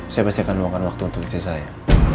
saya pasti akan meluangkan waktu untuk istri saya